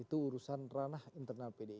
itu urusan ranah internal pdip